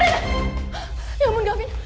ya ampun gafin